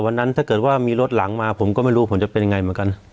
ถ้าเกิดว่ามีรถหลังมาผมก็ไม่รู้ผมจะเป็นยังไงเหมือนกัน